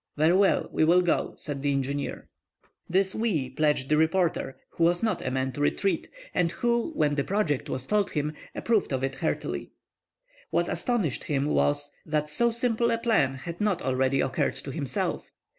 "Very well. We will go!" said the engineer. This "we" pledged the reporter, who was not a man to retreat, and who, when the project was told him, approved of it heartily. What astonished him was, that so simple a plan had not already occurred to himself.